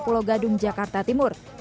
pulau gadung jakarta timur